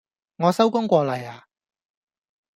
我收工過嚟呀